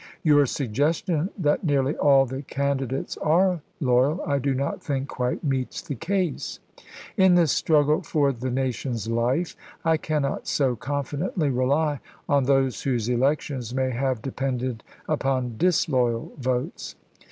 Your suggestion that nearly all the candidates are loyal I do not think quite meets the case. In tills struggle for the nation's life, I cannot so confi dently rely on those whose elections may have depended upon disloyal votes.